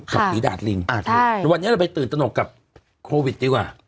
กับฝีดาดลิงวันนี้เราไปตื่นตนกกับโควิดดีกว่า